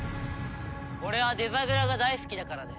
俺はデザグラが大好きだからね。